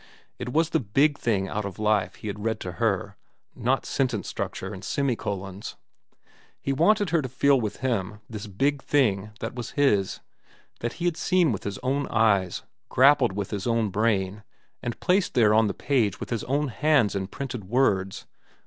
It was the big thing out of life he had read to her, not sentence structure and semicolons. He wanted her to feel with him this big thing that was his, that he had seen with his own eyes, grappled with his own brain, and placed there on the page with his own hands in printed words.